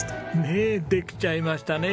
ねえできちゃいましたね